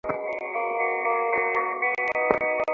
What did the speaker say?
এটা কখনো চাইনি।